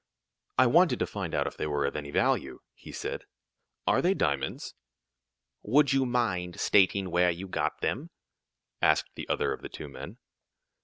"I wanted to find out if they were of any value," he said. "Are they diamonds?" "Would you mind stating where you got them?" asked the other of the two men.